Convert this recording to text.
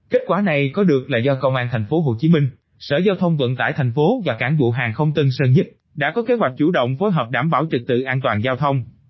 kết quả này có được là do công an thành phố hồ chí minh sở giao thông vận tải thành phố và cảng vụ hàng không tân sơn nhất đã có kế hoạch chủ động phối hợp đảm bảo trực tự an toàn giao thông